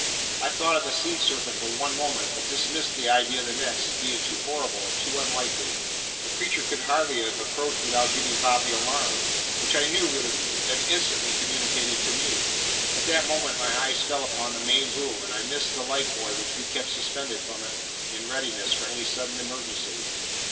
I thought of the sea serpent for one moment, but dismissed the idea the next, as being both too horrible and too unlikely. The creature could hardly have approached without giving Bob the alarm, which I knew he would have instantly communicated to me. At that moment my eyes fell upon the main boom, and I missed the life buoy which we kept suspended from it in readiness for any sudden emergency.